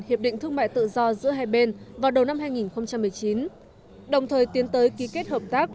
hiệp định thương mại tự do giữa hai bên vào đầu năm hai nghìn một mươi chín đồng thời tiến tới ký kết hợp tác